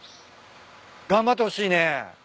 頑張ってほしいね。